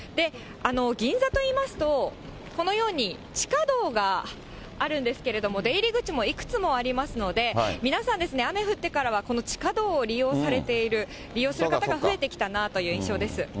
銀座といいますと、このように地下道があるんですけれども、出入り口もいくつもありますので、皆さん、雨降ってからは、この地下道を利用されている、利用する方が増えてきたなという印象です。